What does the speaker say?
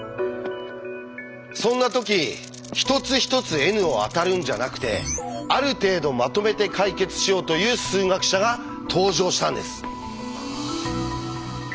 そんな時一つ一つｎを当たるんじゃなくてある程度まとめて解決しようという数学者が登場したんです。